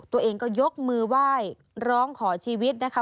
ตัวเองก็ยกมือไหว้ร้องขอชีวิตนะคะ